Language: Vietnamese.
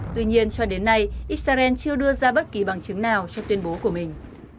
tuy nhiên cho đến nay israel chưa đưa ra bất kỳ bằng chứng nào cho tuyên bố của mình